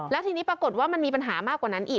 แล้วทีนี้ปรากฏว่ามันมีปัญหามากกว่านั้นอีก